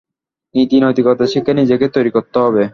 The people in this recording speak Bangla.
নীতি নৈতিকতা শিখে নিজেকে তৈরি করতে হবে।